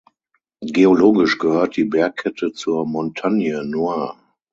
Geologisch gehört die Bergkette zur Montagne Noire.